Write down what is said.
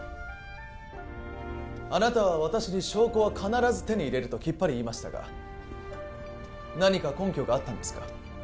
あなたは私に証拠は必ず手に入れるときっぱり言いましたが何か根拠があったんですか？